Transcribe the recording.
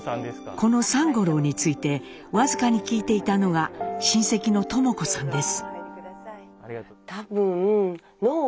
この三五郎について僅かに聞いていたのが親戚の知子さんです。